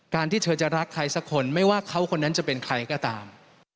ที่เธอจะรักใครสักคนไม่ว่าเขาคนนั้นจะเป็นใครก็ตาม